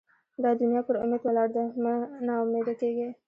دا دونیا پر اُمید ولاړه ده؛ مه نااميده کېږئ!